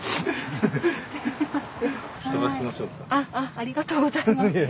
ありがとうございます。